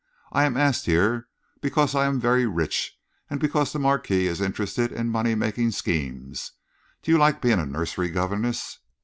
"I am asked here because I am very rich and because the Marquis is interested in money making schemes. Do you like being a nursery governess?"